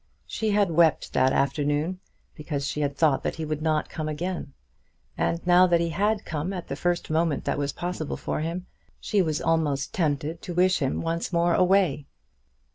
She had wept that afternoon because she had thought that he would not come again; and now that he had come at the first moment that was possible for him, she was almost tempted to wish him once more away.